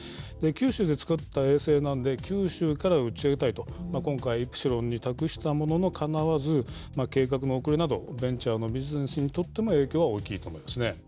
九州で作った衛星なんで、九州から打ち上げたいと、今回、イプシロンに託したもののかなわず、計画の遅れなど、ベンチャーのビジネスにとっても、影響は大きいと思うんですね。